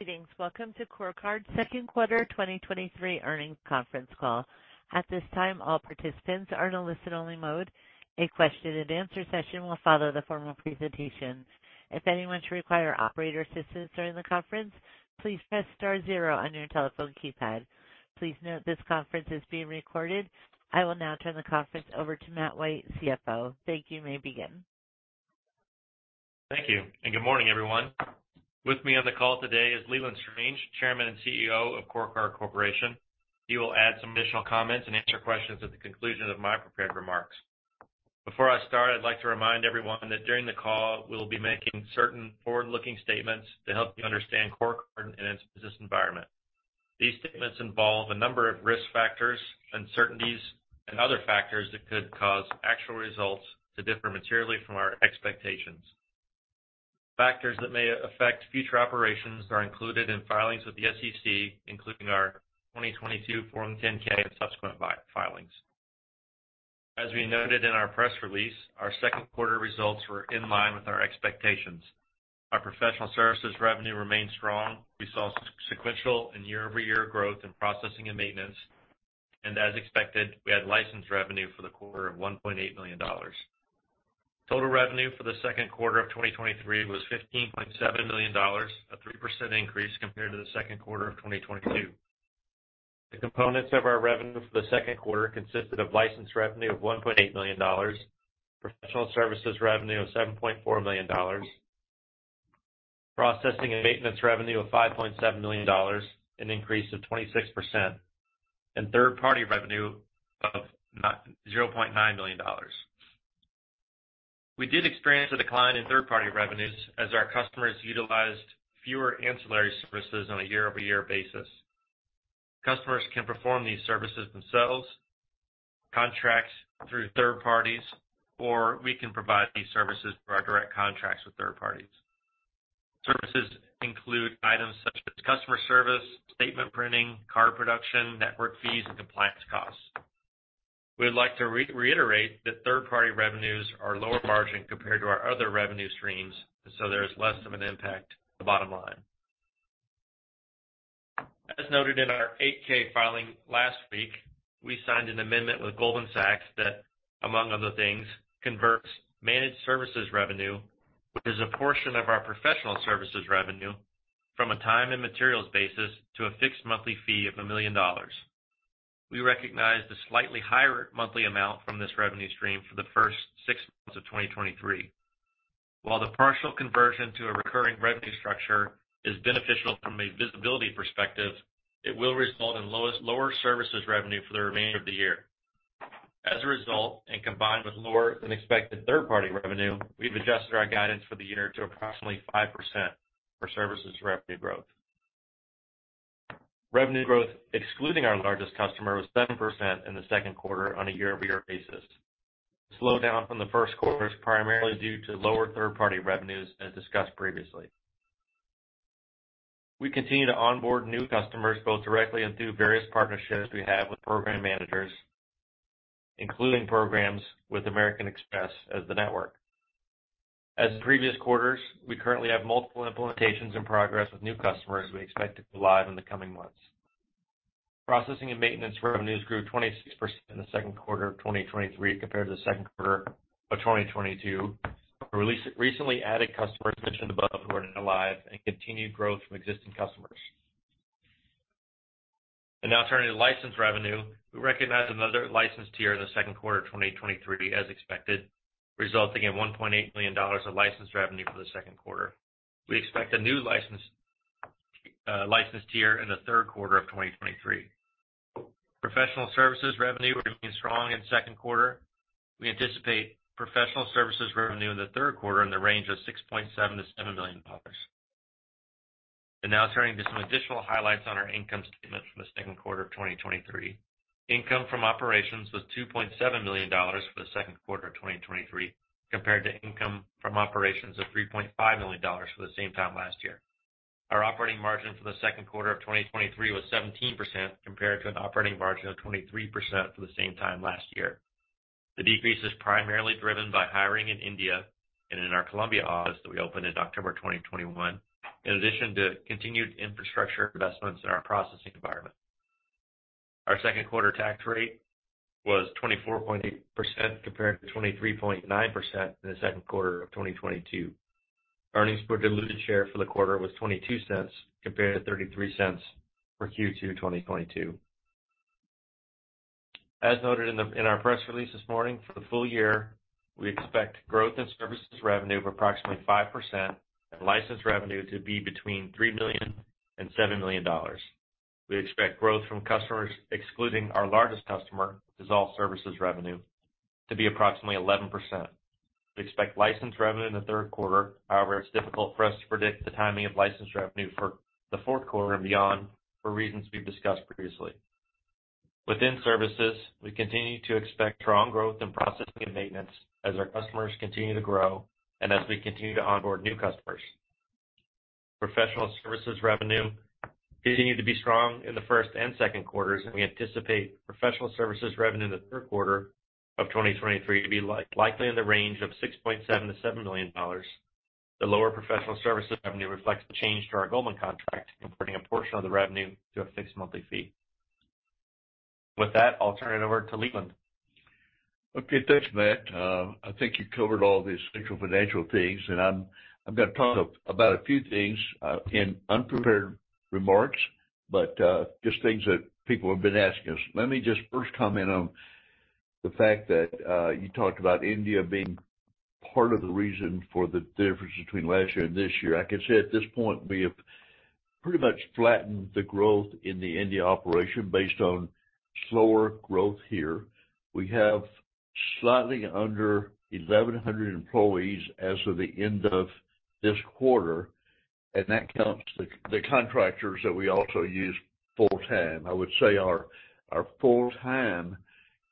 Greetings. Welcome to CoreCard's second quarter 2023 earnings conference call. At this time, all participants are in a listen-only mode. A question-and-answer session will follow the formal presentation. If anyone should require operator assistance during the conference, please press star zero on your telephone keypad. Please note, this conference is being recorded. I will now turn the conference over to Matt White, CFO. Thank you. You may begin. Thank you, good morning, everyone. With me on the call today is Leland Strange, Chairman and CEO of CoreCard Corporation. He will add some additional comments and answer questions at the conclusion of my prepared remarks. Before I start, I'd like to remind everyone that during the call, we'll be making certain forward-looking statements to help you understand CoreCard and its business environment. These statements involve a number of risk factors, uncertainties, and other factors that could cause actual results to differ materially from our expectations. Factors that may affect future operations are included in filings with the SEC, including our 2022 Form 10-K and subsequent filings. As we noted in our press release, our second quarter results were in line with our expectations. Our professional services revenue remained strong. We saw sequential and year-over-year growth in processing and maintenance. As expected, we had license revenue for the quarter of $1.8 million. Total revenue for the second quarter of 2023 was $15.7 million, a 3% increase compared to the second quarter of 2022. The components of our revenue for the second quarter consisted of license revenue of $1.8 million, professional services revenue of $7.4 million, processing and maintenance revenue of $5.7 million, an increase of 26%, and third-party revenue of $0.9 million. We did experience a decline in third-party revenues as our customers utilized fewer ancillary services on a year-over-year basis. Customers can perform these services themselves, contract through third parties, or we can provide these services through our direct contracts with third parties. Services include items such as customer service, statement printing, card production, network fees, and compliance costs. We'd like to re-reiterate that third-party revenues are lower margin compared to our other revenue streams, so there's less of an impact on the bottom line. As noted in our 8-K filing last week, we signed an amendment with Goldman Sachs that, among other things, converts managed services revenue, which is a portion of our professional services revenue, from a time and materials basis to a fixed monthly fee of $1 million. We recognize the slightly higher monthly amount from this revenue stream for the first six months of 2023. While the partial conversion to a recurring revenue structure is beneficial from a visibility perspective, it will result in lower services revenue for the remainder of the year. As a result, combined with lower than expected third-party revenue, we've adjusted our guidance for the year to approximately 5% for services revenue growth. Revenue growth, excluding our largest customer, was 7% in the second quarter on a year-over-year basis. Slowdown from the first quarter is primarily due to lower third-party revenues, as discussed previously. We continue to onboard new customers, both directly and through various partnerships we have with program managers, including programs with American Express as the network. As in previous quarters, we currently have multiple implementations in progress with new customers we expect to go live in the coming months. Processing and maintenance revenues grew 26% in the second quarter of 2023 compared to the second quarter of 2022. Recently added customers mentioned above were now live and continued growth from existing customers. Now turning to license revenue. We recognized another license tier in the second quarter of 2023, as expected, resulting in $1.8 million of license revenue for the second quarter. We expect a new license, license tier in the third quarter of 2023. Professional services revenue remained strong in the second quarter. We anticipate professional services revenue in the third quarter in the range of $6.7 million-$7 million. Now turning to some additional highlights on our income statement for the second quarter of 2023. Income from operations was $2.7 million for the second quarter of 2023, compared to income from operations of $3.5 million for the same time last year. Our operating margin for the second quarter of 2023 was 17%, compared to an operating margin of 23% for the same time last year. The decrease is primarily driven by hiring in India and in our Colombia office that we opened in October 2021, in addition to continued infrastructure investments in our processing environment. Our second quarter tax rate was 24.8%, compared to 23.9% in the second quarter of 2022. Earnings per diluted share for the quarter was $0.22, compared to $0.33 for Q2 2022. As noted in our press release this morning, for the full year, we expect growth in services revenue of approximately 5% and license revenue to be between $3 million and $7 million. We expect growth from customers, excluding our largest customer, dissolve services revenue, to be approximately 11%. We expect license revenue in the third quarter. However, it's difficult for us to predict the timing of license revenue for the fourth quarter and beyond for reasons we've discussed previously. Within services, we continue to expect strong growth in processing and maintenance as our customers continue to grow and as we continue to onboard new customers. Professional services revenue continued to be strong in the first and second quarters, and we anticipate professional services revenue in the third quarter of 2023 to be like, likely in the range of $6.7 million-$7 million. The lower professional services revenue reflects the change to our Goldman contract, converting a portion of the revenue to a fixed monthly fee. With that, I'll turn it over to Leland. Okay, thanks, Matt. I think you covered all the essential financial things, and I'm, I'm going to talk about a few things, in unprepared remarks, but, just things that people have been asking us. Let me just first comment on the fact that, you talked about India being part of the reason for the difference between last year and this year. I can say at this point, we have pretty much flattened the growth in the India operation based on slower growth here. We have slightly under 1,100 employees as of the end of this quarter, and that counts the, the contractors that we also use full-time. I would say our, our full-time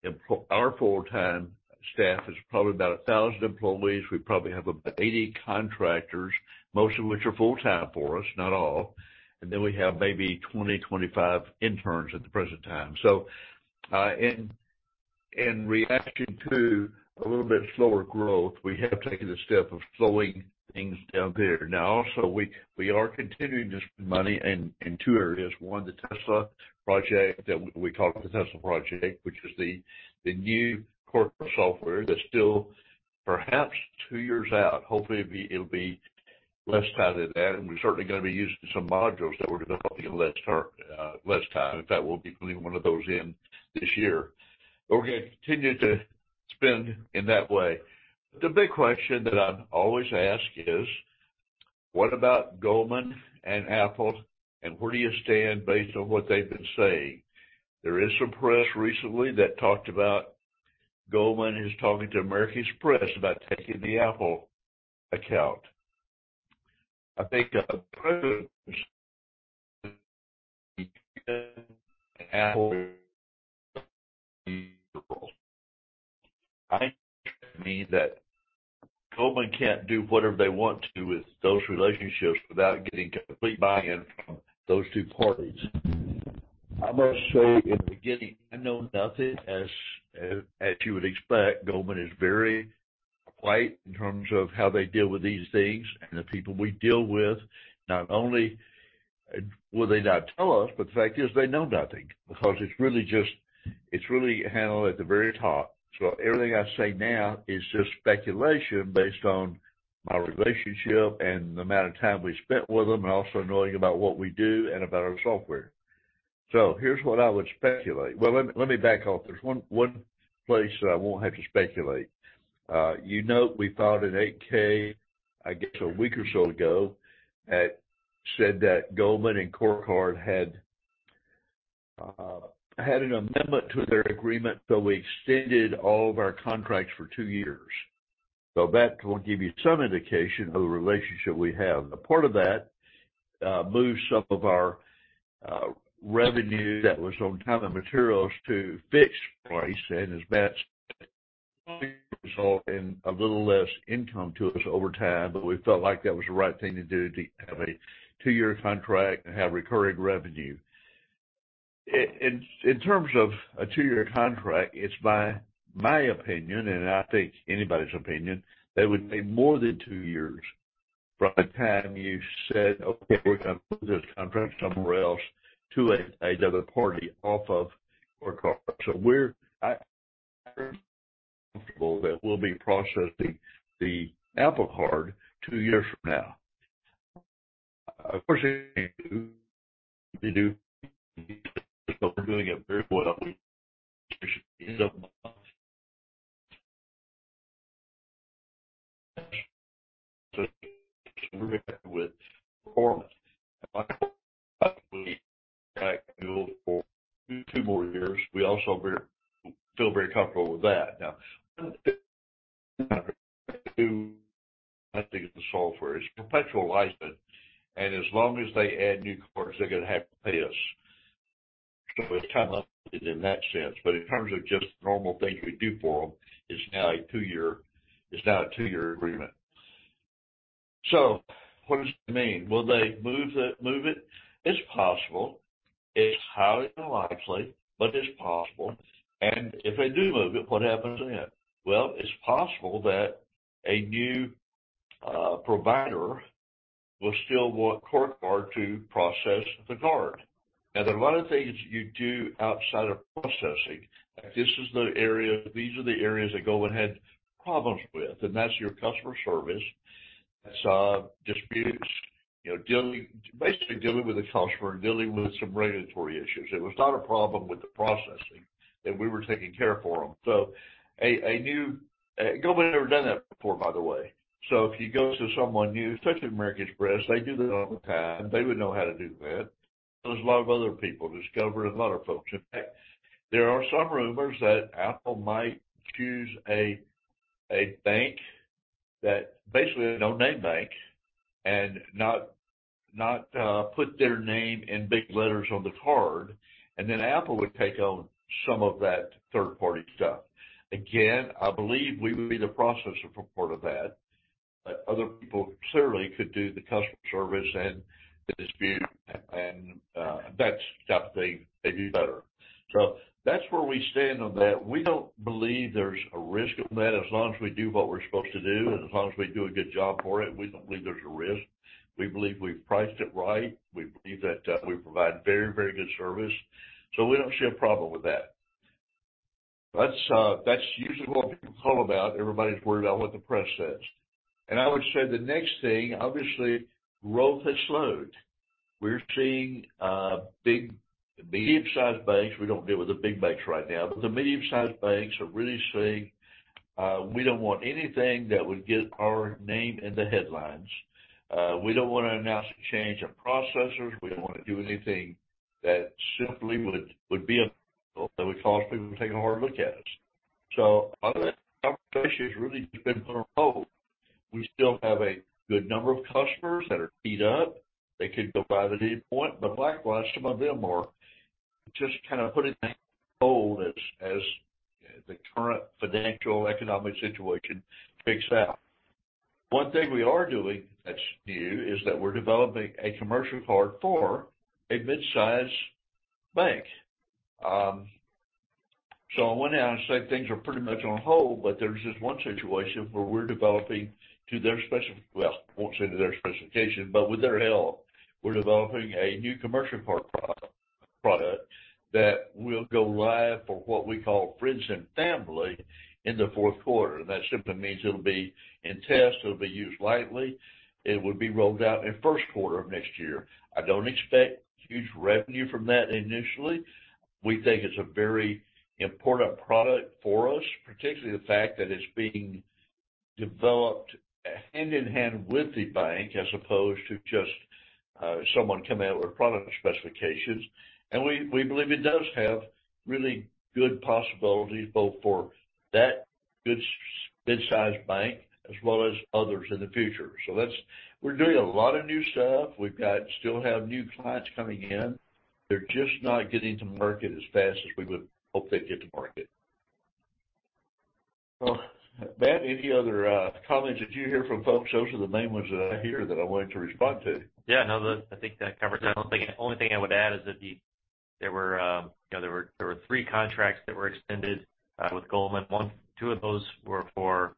staff is probably about 1,000 employees. We probably have about 80 contractors, most of which are full-time for us, not all. Then we have maybe 20-25 interns at the present time. In, in reaction to a little bit slower growth, we have taken the step of slowing things down there. Also, we, we are continuing to spend money in, in two areas. One, the Tesla Project, that we call it the Tesla Project, which is the, the new corporate software that's still perhaps two years out. Hopefully, it'll be, it'll be less time than that, and we're certainly going to be using some modules that we're developing in less term, less time. In fact, we'll be putting one of those in this year. We're going to continue to spend in that way. The big question that I'm always asked is: What about Goldman and Apple, and where do you stand based on what they've been saying? There is some press recently that talked about Goldman is talking to American Express about taking the Apple account. I think the to me that Goldman can't do whatever they want to with those relationships without getting complete buy-in from those two parties. I must say, in the beginning, I know nothing. As, as you would expect, Goldman is very quiet in terms of how they deal with these things. The people we deal with, not only would they not tell us, but the fact is they know nothing because it's really handled at the very top. Everything I say now is just speculation based on my relationship and the amount of time we spent with them, and also knowing about what we do and about our software. Here's what I would speculate. Well, let me back off. There's one, one place that I won't have to speculate. You know, we filed an 8-K, I guess, a week or so ago that said that Goldman and CoreCard had an amendment to their agreement, so we extended all of our contracts for two years. That will give you some indication of the relationship we have. A part of that moves some of our revenue that was on time and materials to fixed price, and as Matt said, result in a little less income to us over time, but we felt like that was the right thing to do to have a two-year contract and have recurring revenue. In, in terms of a two-year contract, it's my, my opinion, and I think anybody's opinion, that it would be more than two years from the time you said, "Okay, we're going to move this contract somewhere else to a, another party off of CoreCard." We're, I, comfortable that we'll be processing the Apple Card two years from now. Of course, we're doing it very well. with performance. for two more years. We also very, feel very comfortable with that. Now, I think it's the software. It's perpetual license, and as long as they add new cards, they're going to have to pay us. It's kind of in that sense, but in terms of just the normal things we do for them, it's now a two-year. It's now a two-year agreement. What does it mean? Will they move the, move it? It's possible. It's highly unlikely, but it's possible. If they do move it, what happens then? Well, it's possible that a new provider will still want CoreCard to process the card. There are a lot of things you do outside of processing. This is the area-- These are the areas that Goldman had problems with, and that's your customer service. That's disputes, you know, dealing, basically dealing with the customer, dealing with some regulatory issues. It was not a problem with the processing, and we were taking care for them. Goldman had never done that before, by the way. If you go to someone new, especially American Express, they do that all the time. They would know how to do that. There's a lot of other people, Discover and other folks. In fact, there are some rumors that Apple might choose a, a bank that basically a no-name bank and not, not put their name in big letters on the card, and then Apple would take on some of that third-party stuff. Again, I believe we would be the processor for part of that. Other people certainly could do the customer service and the dispute, and that's stuff they, they do better. That's where we stand on that. We don't believe there's a risk of that as long as we do what we're supposed to do, and as long as we do a good job for it, we don't believe there's a risk. We believe we've priced it right. We believe that we provide very, very good service, so we don't see a problem with that. That's usually what people call about. Everybody's worried about what the press says. I would say the next thing, obviously, growth has slowed. We're seeing, big, medium-sized banks. We don't deal with the big banks right now. The medium-sized banks are really saying, we don't want anything that would get our name in the headlines. We don't want to announce a change of processors. We don't want to do anything that simply would, would be a, that would cause people to take a hard look at us. Other than that, conversation has really just been on hold. We still have a good number of customers that are teed up. They could go by at any point. Likewise, some of them are just kind of putting that on hold as, as the current financial, economic situation figures out. One thing we are doing that's new is that we're developing a commercial card for a mid-sized bank. I went out and said, things are pretty much on hold, but there's just one situation where we're developing to their spec. Well, I won't say to their specification, but with their help, we're developing a new commercial card product that will go live for what we call friends and family in the fourth quarter. That simply means it'll be in test, it'll be used lightly. It would be rolled out in first quarter of next year. I don't expect huge revenue from that initially. We think it's a very important product for us, particularly the fact that it's being developed hand in hand with the bank, as opposed to just someone coming out with product specifications. We, we believe it does have really good possibilities both for that good mid-sized bank as well as others in the future. That's... We're doing a lot of new stuff. We've got, still have new clients coming in. They're just not getting to market as fast as we would hope they'd get to market. Matt, any other comments that you hear from folks? Those are the main ones that I hear, that I wanted to respond to. Yeah, no, I think that covers it. I don't think, the only thing I would add is that there were three contracts that were extended with Goldman. Two of those were for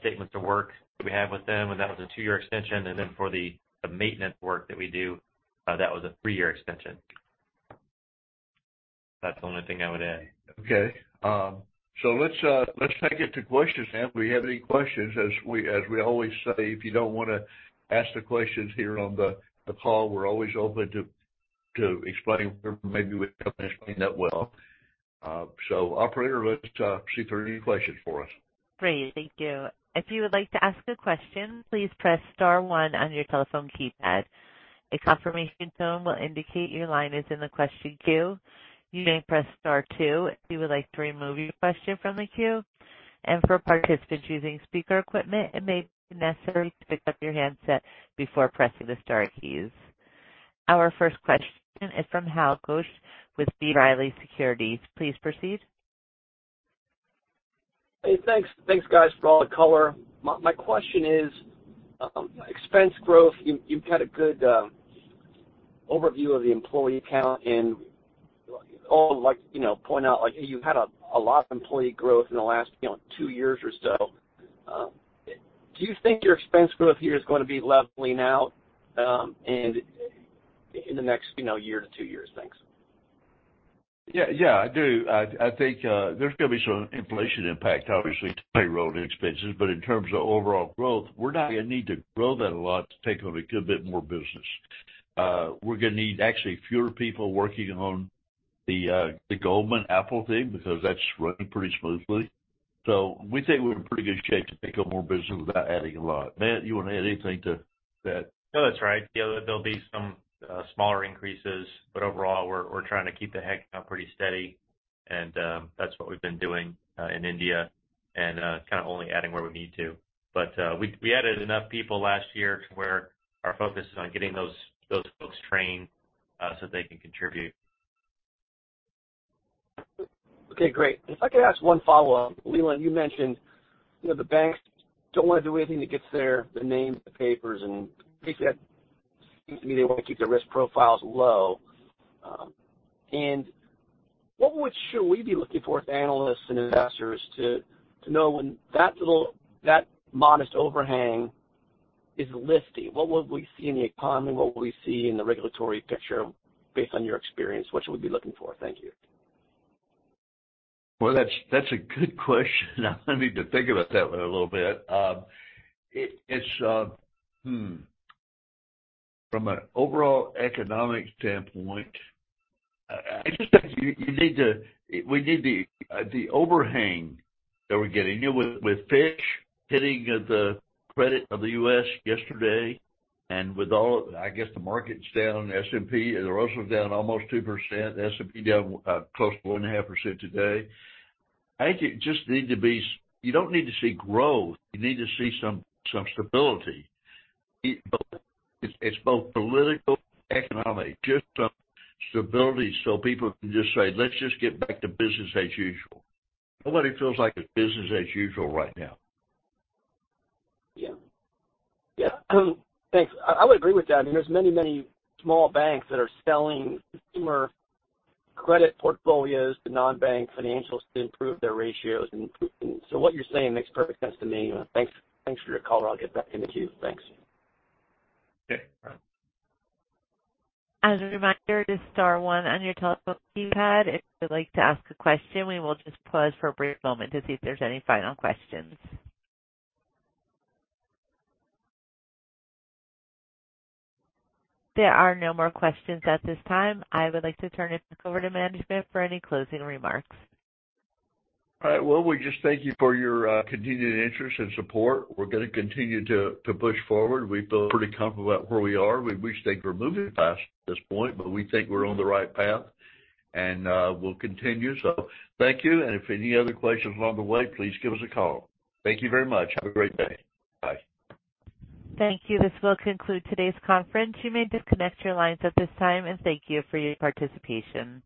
statements of work that we have with them, and that was a two-year extension. For the maintenance work that we do, that was a three-year extension. That's the only thing I would add. Okay. Let's, let's take it to questions. If we have any questions, as we, as we always say, if you don't wanna ask the questions here on the, the call, we're always open to, to explaining where maybe we haven't explained that well. Operator, let's, see if there are any questions for us. Great, thank you. If you would like to ask a question, please press star one on your telephone keypad. A confirmation tone will indicate your line is in the question queue. You may press star two, if you would like to remove your question from the queue. For participants using speaker equipment, it may be necessary to pick up your handset before pressing the star keys. Our first question is from Hal Goetsch with B. Riley Securities. Please proceed. Hey, thanks. Thanks, guys, for all the color. My, my question is, expense growth. You, you've had a good overview of the employee count and all like, you know, point out, like, you've had a lot of employee growth in the last, you know, two years or so. Do you think your expense growth here is going to be leveling out, and in the next, you know, year to two years? Thanks. Yeah, yeah, I do. I, I think, there's going to be some inflation impact, obviously, to payroll expenses, but in terms of overall growth, we're not going to need to grow that a lot to take on a good bit more business. We're going to need actually fewer people working on the, the Goldman Apple thing, because that's running pretty smoothly. We think we're in pretty good shape to take on more business without adding a lot. Matt, you want to add anything to that? No, that's right. Yeah, there'll be some smaller increases, but overall, we're trying to keep the head count pretty steady, and that's what we've been doing in India, and kind of only adding where we need to. We added enough people last year to where our focus is on getting those folks trained, so they can contribute. Okay, great. If I could ask one follow-up. Leland, you mentioned, you know, the banks don't want to do anything that gets their, the name in the papers, and I think that seems to me they want to keep their risk profiles low. Should we be looking for as analysts and investors to, to know when that little, that modest overhang is lifting? What would we see in the economy? What would we see in the regulatory picture, based on your experience, what should we be looking for? Thank you. Well, that's, that's a good question. I need to think about that one a little bit. It, it's, hmm. From an overall economic standpoint, I just think you, you need to... We need the, the overhang that we're getting. With Fitch hitting the credit of the U.S. yesterday and with all, I guess, the market's down, S&P, and the rest of them down almost 2%. S&P down, close to 1.5% today. I think it just need to be, you don't need to see growth. You need to see some, some stability. But it's, it's both political and economic, just some stability so people can just say, let's just get back to business as usual. Nobody feels like it's business as usual right now. Yeah. Yeah. Thanks. I would agree with that. I mean, there's many, many small banks that are selling consumer credit portfolios to non-bank financials to improve their ratios. What you're saying makes perfect sense to me. Thanks, thanks for your call. I'll get back in the queue. Thanks. Okay, bye. As a reminder, just star one on your telephone keypad if you'd like to ask a question. We will just pause for a brief moment to see if there's any final questions. There are no more questions at this time. I would like to turn it back over to management for any closing remarks. All right. Well, we just thank you for your continued interest and support. We're going to continue to push forward. We feel pretty comfortable about where we are. We wish things were moving faster at this point, we think we're on the right path, and we'll continue. Thank you, and if any other questions along the way, please give us a call. Thank you very much. Have a great day. Bye. Thank you. This will conclude today's conference. You may disconnect your lines at this time, and thank you for your participation.